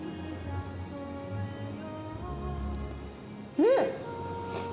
うん！